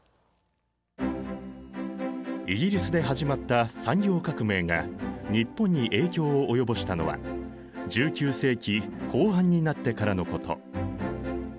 イギリスで始まった産業革命が日本に影響を及ぼしたのは１９世紀後半になってからのこと。